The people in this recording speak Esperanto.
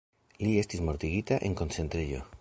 Li estis mortigita en koncentrejo.